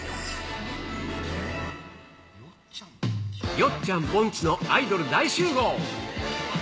ヨッちゃん・ぼんちのアイドル大集合！